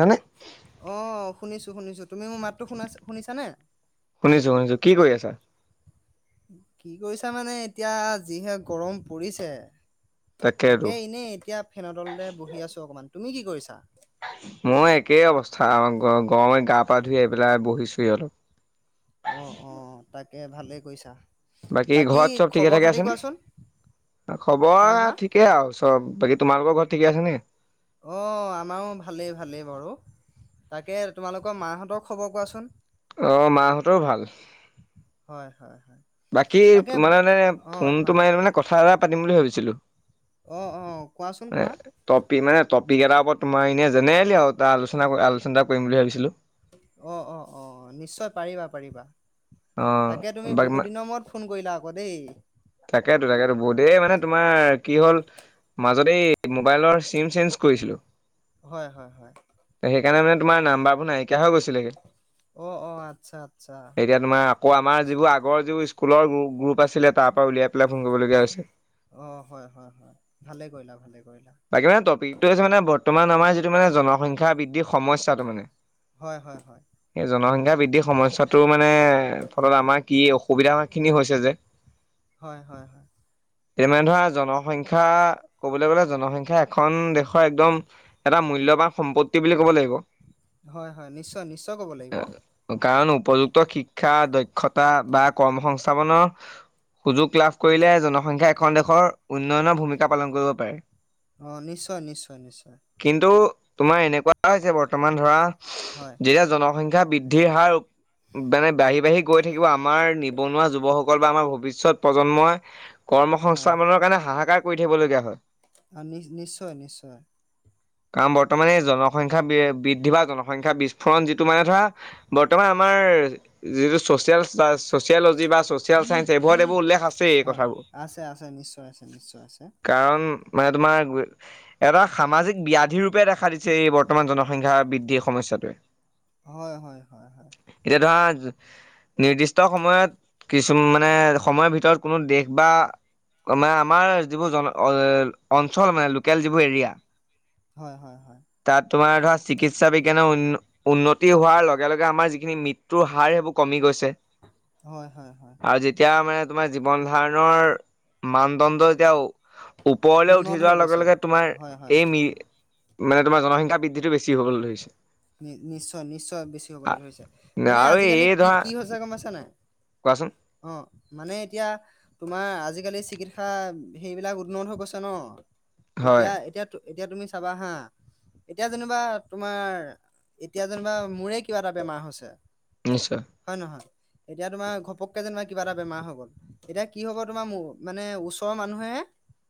হয়নে? অ'। শুনিছো শুনিছো। তুমি মোৰ মাতটো শুনা-শুনিছানে? শুনিছো শুনিছো, কি কৰি আছা? কি কৰিছা মানে, এতিয়া যিহে গৰম পৰিছে। তাকেতো তাকে এনেই এতিয়া ফেন' তলতে বহি আছোঁ অকমান। তুমি কি কি কৰিছা? মই একেই অৱস্থা, গ গৰমে গা-পা ধুই আহি পেলাই বহিছোহি অলপ। অ', অ', তাক কে, ভালেই কৰিছা। বাকী ঘৰত চব ঠিকে খবৰ থাকে খাতি আছে নে, কোৱাচোন হা খবৰ হা? ঠিকে আৰু চব বাকী। তোমালোকৰ ঘৰত ঠিকে আছেনে। অ, আমাৰো ভালেই ভালেই বাৰু, তাকে তোমালোকৰ মাহঁতৰ খবৰ কোৱাচোন। অ', মাহঁতৰো ভাল। হয় হয়। হয় বাকী তাকে তোমাৰ ব- মানে হয় ফোন তো হয় মাৰি মানে কথা এটা পাতিম বুলি ভাবিছো। ছিলো। অ', অ', কোৱাচোন এ কোৱা? তপি মানে তপ পিক এটাৰ ওপৰত তোমাৰ এনে জেনেৰেলি আৰু ত আলোচনা কৰি আলোচনাটা কৰিম বুলি ভাবিছিলোঁ। অ, অ, অ, নিশ্চয় পাৰিবা পাৰিবা। অ, তাকে তুমি বহুত বাক-মা, দিনৰ মূৰত ফোন কৰিলা আকৌ দেই। তাকেতো-তাকেতো বহুতদিন মানে তোমাৰ কি হ'ল, মাজতে এ মোবাইলৰ চিম চেঞ্জ কৰিছিলো। হয় হয় হয়। সেইকাৰণে মানে তোমাৰ নাম্বাৰবোৰ নাইকিয়া হৈ গৈছিলেগে। অ, অ, আচ্ছা আচ্ছা। এতিয়া তোমাৰ আকৌ আমাৰ যিবোৰ আগৰ যিবোৰ স্কুলৰ গু গ্ৰুপ আছিলে তাৰ পৰা উলিয়াই তোলে ফোন কৰিব লগীয়া হৈছে অ', হয়, হয়, হয়, ভালে কৰিলা ভালে কৰিলা। তাকে তপিক টো হৈছে মানে বট তোমাৰ [unintelligible] মানে জনসংখ্যা বৃদ্ধিৰ সমস্যা ত মানে। হয় হয় হয়। সেই [unintelligible] সমস্যাটো মা মানে, ফলত আমাৰ কি অসুবিধা খিনি হৈছে যে। হয়, হয়, হয়, তে মানে ধৰা জনসংখ্য সংখ্যা, কবলৈ গলে জনসংখ্যা এখন দেশৰ, একদম এটা মূল্যবান সম্পত্তি বুলি ক'ব লাগিব। হয় হয় নিশ্চয় নিশ্চয় ক'ব লাগিব। কাৰণ উপযুক্ত শিক্ষা দক্ষতা বা কৰ্ম সংস্থাপনৰ, সুযোগ লাভ কৰিলে জনসংখ্যা এখন দেশৰ উন্নয়নৰ ভূমিকা পালন কৰিব পাৰে। অ নিশ্চয় নিশ্চয় নিশ্চয়। কিন্তু তোমাৰ এনেকুৱা হৈছে বৰ্তমান ধৰা হয়, যেতিয়া জনসংখ্যা খ্যা বৃদ্ধিৰ হাৰ মানে বাঢ়ি-বাঢ়ি গৈ থাকিব আমাৰ নিবনুৱা যুৱকসকল বা আমাৰ ভৱিষ্যত প্ৰজন্মই। কৰ্ম সংস্থাপনৰ কাৰণে হাহাকাৰ কৰি থাকিবলগীয়া হয়। হা নি নিশ্চয় নিশ্চয়। কাৰণ বৰ্তমান এই জনসংখ্যা বে বৃদ্ধি বা জনসংখ্যাৰ বিস্ফোৰণ যিটো মানে ধৰা, বৰ্তমান আমাৰ যিটো চছিয়েল চা চছিওলজি বা চছিয়েল চাইন্স এইবোৰত এইবোৰ উল্লেখ আছে হয় আছে আছে নিশ্চয় আছে নিশ্চয় আছে কাৰণ মানে তোমাৰ এটা সামাজিক ব্যধি ৰূপে দেখা দিছে এই বৰ্তমান জনসংখ্যা বৃদ্ধিৰ সমস্যাটোৱে হয় হয় হয় হয় এতিয়া ধৰা নিৰ্দিষ্ট সময়ত কিছু মানে সময়ৰ ভিতৰত কোনো দেশ বা মানে আমাৰ যিবোৰ জন অঞ্চল মানে লোকেল যিবোৰ এৰিয়া হয়, হয়, হয়, তাত তোমাৰ ধৰা চিকিৎসা বিজ্ঞান উন্নতি হোৱাৰ লগে লগে আমাৰ যি এইখিনি মৃত্যুৰ হাৰ সেইবোৰ কমি গৈছে হয় হয় আৰু যেতিয়া মানে তোমাৰ জীৱন ধাৰণৰ মানদণ্ড এতিয়া ওপৰলৈ উঠি উন্নত হৈ যোৱাৰ লগে গৈছে। লগে তোমাৰ হয়, হয়, এই হয়, মি মানে তোমাৰ জনসংখ্যা বৃদ্ধিটো বেছি হ'ব ধৰিছে নি নিশ্চয় নিশ্চয় বেছি হ'বলৈ ধৰিছে মানে আৰু আজিকালি এই কি ধৰা কি হৈছে গম পাইছা নাই কোৱাচোন অ মানে এতিয়া তোমাৰ আজি আজিকালি চিকিৎসা সেইবিলাক উন্নত হৈ গৈছে ন হয় এতিয়া এতিয়া তু এতিয়া তুমি চাবা হা এতিয়া যেনিবা তোমাৰ এতিয়া যেনিবা মোৰে কিবা এটা বেমাৰ হৈছে নিশ্চয় হয় নহয় এতিয়া তোমাৰ ঘপককে যেনিবা কিবা এটা বেমাৰ হৈ গল এতিয়া কি হব তোমাৰ মানে ওচৰৰ মানুহে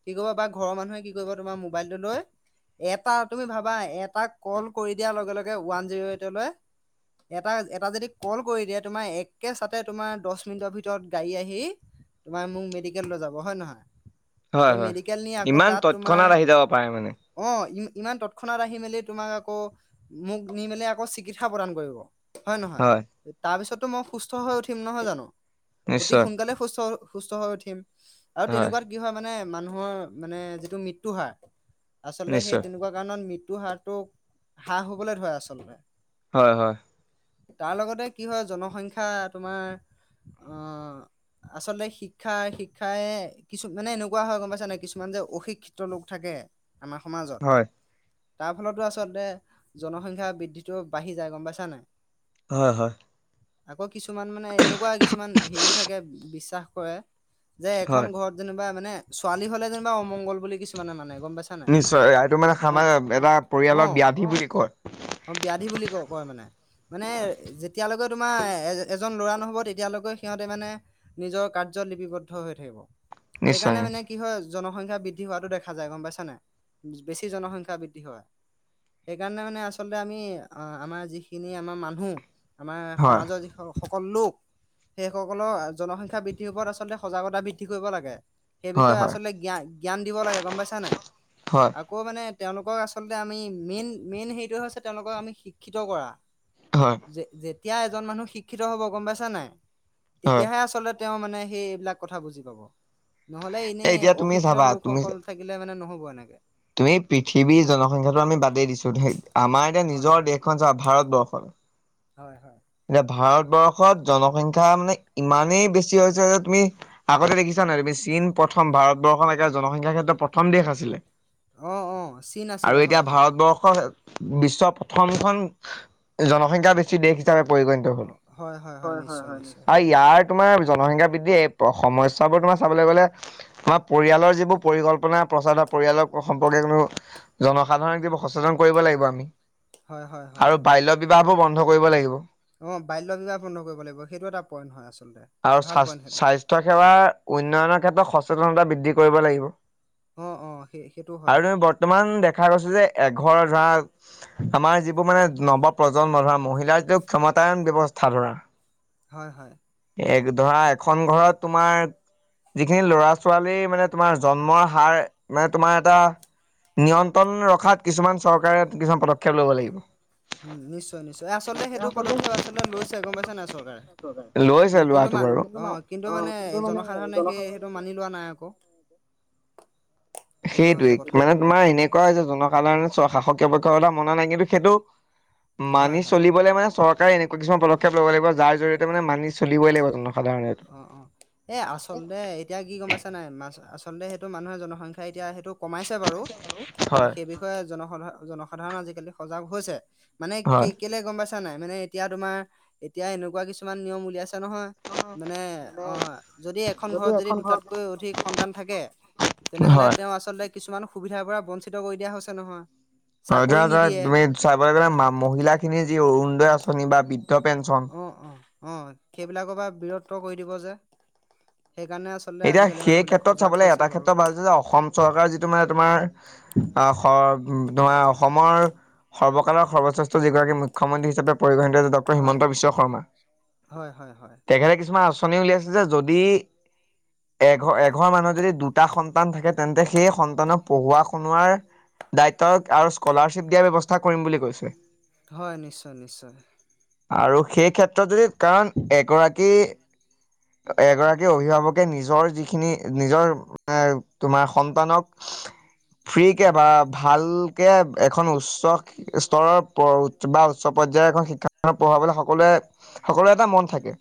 কি কৰিব বা ঘৰৰ মানুহে কি কৰিব তোমাৰ মোবাইলটো লৈ এটা তুমি ভাবা এটা কল কৰি দিয়াৰ লগে লগে তে ওৱান জিৰ এইলৈ এটা এটা যদি কল দিয়ে তোমাৰ একেচাতে তোমাৰ দহমিনিটৰ ভিতৰত গাৰী আহি তোমাক মোক মেডিকেল লৈ যাব হয় নহয় হয় সেই হয় মেডিকেল নি আকৌ ইমান তাত তোমাৰ তৎক্ষণাত আহি যাব পাৰে মানে অ ই ইমান তৎক্ষণাত আহি মেলি তোমাক আকৌ মোক নি মেলি আকৌ চিকিৎসা প্ৰদান কৰিব হয় নহয় তাপিছত টো মই সুস্থ হৈ উঠিম নহয় জানো অতি নিশ্চয় সোনকালে সুস্থ সুস্থ হৈ উঠিম আৰু তেনেকুৱাত কি হয় মানে মানুহৰ মানে যিটো মৃত্যু হাৰ আচলতে সেই নিশ্চয় তেনেকুৱা কাৰণত মৃত্ তু হাৰটো হ্ৰাস হবলৈ ধৰে আচলতে হয় হয় তাৰ লগতে কি হয় জনসংখ্যা তোমাৰ আহ আচলতে শিক্ষা শিক্ষাই কিছু মানে এনেকুৱা হয় গম পাইছা নে কিছুমান যে অশিক্ষিত লোক থাকে আমাৰ সমাজত হয় তাৰ ফলতো আচলতে জনসংখ্যা বৃদ্ধিটো বাঢ়ি যায় গম পাইছা নাই হয় হয় আকৌ কিছুমান মানে এনেকুৱা কিছুমান হেৰিও থাকে বিশ্বাস কৰে যে এখন হয় ঘৰত যেনিবা মানে ছোৱালী হ'লে যেনিবা অমংগল বুলি কিছুমানে মানে গম পাইছা নাই নিশ্চয় এইটো মানে ই- অ খানা এটা পৰিয়ালৰ অ ব্যাধি বুলি কয় অ ব্যাধি বুলি কয় কয় মানে মানে যেতিয়ালৈকে তোমাৰ এ-এজন ল'ৰা নহ'ব তেতিয়ালৈকে সিহঁতে মানে নিজৰ কাৰ্যত লিপিবদ্ধ হৈ থাকিব। নিশ্চয় সেইকাৰণে মানে নিশ্চয় কি হয় জনসংখ্যা বৃদ্ধি বৃদ্ধি হোৱাটো দেখা যায় গম পাইছ নে বেছি জনসংখ্যা বৃদ্ধি হয়। সেইকাৰণে মানে আচলতে আমি আ-আমাৰ যিখিনি আমাৰ মানুহ আমাৰ হয় সমাজৰ যি সকলো লোক সেই সকলৰ জনসংখ্যা বৃদ্ধিৰ ওপৰত আচলতে সজাগতা বৃদ্ধি কৰিব লাগে। সেই হয় বিষয়ে হয় আচলতে জ্ঞান-জ্ঞান দিব লাগে গম পাইছা নাই? হয় আকৌ মানে তেওঁলোকক আচলতে আমি মেইন মেইন হেইটোয়ে হৈছে তেওঁলোকক আমি শিক্ষিত কৰা। হয় যে যে তেতিয়া এজন মানুহ শিক্ষিত হ'ব গম পাইছা নাই হয় তেতিয়াহে আচলতে তেওঁ মানে সেই এইবিলাক কথা বুজি পাব। নহলে এনে এ এতিয়া তুমি অশিক্ষিত চাবা তুমি লোকসকল থাকিলে মানে নহ'ব। হোৱা এনেকে। তুমি পৃথিৱীৰ জনসংখ্যাাতটো আমি বাদেই দিছো আমাৰ এতিয়া হয় নিজৰ হয় দেশখন চাবা ভাৰত [unintelligible] হয় হয়। এতিয়া ভাৰতবৰ্ষত জনসংখ্যা মানে ইমানেই বেছি হৈছে যে তুমি আগতে দেখিছা নাই তুমি চীন প্ৰথম ভাৰতবৰ্ষত এতিয়া জনসংখ্যাৰ ক্ষেত্ৰত প্ৰথম দেশ আছিলে। অ অ চীন আৰু আছিলে এতিয়া হয় হয়। ভাৰতবৰ্ষ বিশ্বৰ প্ৰথমখন জনসংখ্যা বেছি দেশ পৰিনত হ'ল। অ হয় হয় নিশ্চয় নিশ্চয় হয় হয়। তোমাৰ জনসংখ্যা বৃদ্ধি এই সমস্যাবোৰ তোমাৰ চাবলৈ গলে তোমাৰ পৰিয়ালৰ যিবোৰ পৰিকল্পনা প্ৰচাৰ বা পৰিয়ালৰ সম্পৰ্কে কোনো জনসাধাৰণক যিবোৰ সচেতন কৰিব লাগিব আমি হয় হয় হয়। আৰু বাল্য বিবাহবোৰ বন্ধ কৰিব লাগিব। অ বাল্য বিবাহ বন্ধ কৰিব লাগিব সেইটো এটা পইণ্ট হয় আচলতে আৰু ভাল পইণ্ট সেইটো স্বাস্থ্য সেৱাৰ উন্নয়নৰ ক্ষেত্ৰত সচেতনতা বৃদ্ধি কৰিব লাগিব। অ অ সেই সেইটো হয় আৰু তুমি বৰ্তমান দেখা গৈছো যে এঘৰ ধৰা আমাৰ যিবোৰ মানে নৱ প্ৰজন্ম ধৰা মহিলা। ক্ষমতায়ন ব্যৱস্থা ধৰা। হয়- হয় এ ধৰা এখন ঘৰত তোমাৰ যিখিনি লৰা ছোৱালীৰ মানে তোমাৰ জন্মৰ হাৰ মানে তোমাৰ এটা নিয়ন্ত্ৰণ ৰখাত কিছুমান চৰকাৰে কিছুমান পদক্ষেপ ল'ব লাগিব। উম নিশ্চয় নিশ্চয়। আচলতে সেইটো পদক্ষেপ আচলতে লৈছে গম পাইছে নাই চৰকাৰে লৈছে কিন্তু লোৱাটো বাৰু। অ', কিন্তু মানে জনসাধাৰণে সেই সেইটো মানি লোৱা নাই আকৌ সেইটো হৈছে সেইটোৱে কথাটো মানে তোমাৰ এনেকুৱা যে জনসাধাৰণে স্ব-শাসক [unintelligible] মনা নাই কিন্তু সেইটো হয় মানি হয় চলিবলে মানে চৰকাৰে এনেকুৱা কিছুমান পদক্ষেপ ল'ব লাগিব যাৰ জৰিয়তে মানে মানি চলই লাগ ত অ' অ' এ আচলতে এতিয়া কি গম পাইছা নাই আচলতে সেইটো মানুহৰ জনসংখ্যা এতিয়া কমাইছে বাৰু হয়। সেই বিষয়ে। জনসাধাৰণ আজিকালি সজাগ হৈছে। মানে কি হয়, কেলে গম পাইছে নে নাই মানে এতিয়া তোমাৰ এতিয়া এনেকুৱা কিছুমান নিয়ম উলিয়াই আছে নহয়। মানে অ' যদি এখন ঘৰত যদি দুটাতকৈ অধিক সন্তান থাকে তেনেহলে হয়। তেওঁ আচলতে কিছুমান। সুবিধাৰ পৰা বঞ্চিত কৰি দিয়া হৈছে নহয়। হয় ধৰা চাকৰি ধৰা নিদিয়ে তুমি চাবলৈ গ'লে অ মহিলা খিনিৰ যি অৰুণোদয় আঁচনি শনিবাৰ বি বৃদ্ধ পেঞ্চন অ অ অ 'সেইবিলাকৰ পৰা বীৰত্ব কৰি দিব যে সেইকাৰণে আচলতে এতিয়া আজিকালি মানুহ সেই বিলাক ক্ষেত্ৰত সজাগ চাবলৈ হৈছে এটা বাৰু ক্ষেত্ৰত ভাল হৈছে যে অসম চৰকাৰৰ যিটো মানে তোমাৰ অ', তোমাৰ অসমৰ সৰ্বকালৰ সৰ্বশ্ৰেষ্ঠ যিগৰাকী মুখ্যমন্ত্ৰী হিচাপে পৰিগণিত ড হয় হিমন্ত বিশ্ব শৰ্মা হয় হয় হয় তেখেতে কিছুমান অঠনি উলিয়াইছে যে যদি এঘৰ এঘৰ মানুহ যদি দুটা সন্তান থাকে তেন্তে সেই সন্তানক পঢ়োৱা শুনোৱাৰ দায়িত্ব আৰু স্কলাৰশ্বিপ দিয়া বৱস্থা কৰিম বুলি কৈছে। হয় নিশ্চয় -নিশ্চয়। আৰু সেই ক্ষেত্ৰত যদি কাৰণ এগৰাকী এগৰাকী অভিভাৱক। নিজৰ যিখিনি নিজৰ তোমাৰ সন্তানক ফ্ৰী কে হয় বা ভাল। সেয়ে এখন উচ্চ স্তৰৰ বা উচ্চ পৰ্যয়ায়ৰ এখন শিক্ষানুষ্ঠানত পঢ়াবলৈ সকলোৱে সকলো এটা মন থাকে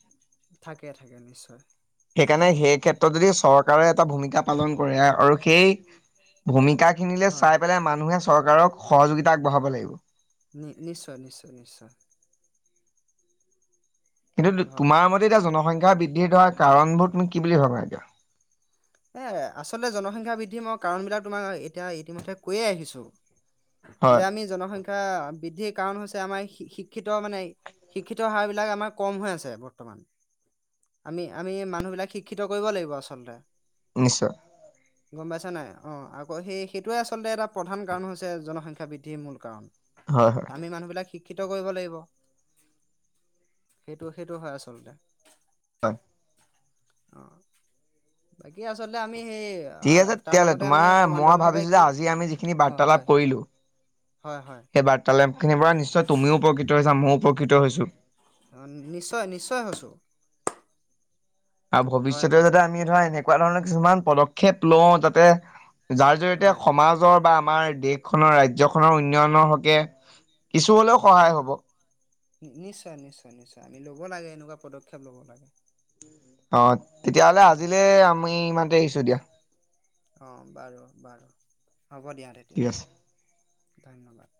থাকে থাকে নিশ্চয়। এই ক্ষেত্ৰত যদি চৰকাৰে এটা ভূমিকা পালন কৰে আৰু সেই ভূমিকাক ঠাইখিনিলে হয় চাই পেলে মানুহে চৰকাৰক সহযোগিতা আগবঢ়াব লাগিব। নি নিশ্চয়-নিশ্চয়-নিশ্চয়। কিন্তু হয় তোমাৰ মতে এতিয়া জনসংখ্যা। বৃদ্ধিৰ দ্বাৰা কাৰণবোৰ তুমি কি বুলি ভাবা এতিয়া। এ আচলতে জনসংখ্যাৰ বৃদ্ধি মই কাৰণবিলাক তোমাৰ এতিয়া ইতিমধ্যে কৈয়ে আহিছো। হয় যে আমি জনসংখ্যা। বৃদ্ধিৰ কাৰণ হৈছে আমাৰ শি শিক্ষিত মানে শিক্ষিত হাৰবিলাক আমাৰ কম হৈ আছে বৰ্তমান আমি আমি মানুহবিলাক শিক্ষিত কৰিব লাগিব আচলতে। নিশ্চয়। গম পাইছা নাই অ আকৌ সেই সেইটোৱে আচলতে এটা প্ৰধান কাৰণ হৈছে জনসংখ্যা বৃদ্ধিৰ মূল কাৰণ। হয় হয় দামী মানুহ বিলাক শিক শিক্ষিত কৰিব লাগিব, সেইটো সেইটো হয় আচলতে। [unintelligible] অ বাকী আচলতে আমি সেই ঠিক আছে তাৰ তেতিয়াহ'লে লগতে আমি তোমাৰ মই সমান্তৰাল ভাৱে ভাবিছো যে কি আজি আমি যিখিনি অ হয় বাৰ্তালাপ কৰিলো হয় হয় সেই বাৰ্তালাপ খিনিৰ পৰা নিশ্চয় তুমিও উপকৃত হৈছা মইও উপকৃত হৈছোঁ। অ নিশ্চয় নিশ্চয় হৈছোঁ। আৰু ভৱিষ্যতে যাতে আমি ধৰা এনেকে তেনেকুৱা ধৰণৰ কিছুমান পদক্ষেপ লওঁ যাতে। যাৰ জৰিয়তে হয় সমাজৰ বা। আমাৰ দেশখনৰ ৰাজ্যখনৰ উন্নয়নৰ হকে। কিছু হ'লেও হয় সহায় হ'ব। নিশ্চয় নিশ্চয় নিশ্চয় আমি ল'ব লাগে এনেকুৱা পদক্ষেপ ল'ব লাগে। অ তেতিয়া হ'লে হয় আজিলে আমি ইমানতে দিয়া অ বাৰু বাৰু হ'ব দিয়া ঠিক আছে। তেতিয়া। ধন্যবাদ।